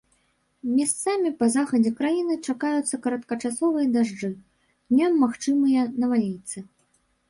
Месцамі па захадзе краіны чакаюцца кароткачасовыя дажджы, днём магчымыя навальніцы.